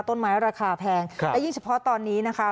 ต้นไม้ราคาแพงครับแต่ยิ่งเฉพาะตอนนี้นะคะ